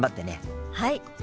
はい。